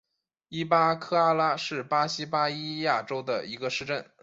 伊比科阿拉是巴西巴伊亚州的一个市镇。